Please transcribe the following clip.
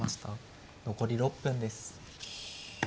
残り６分です。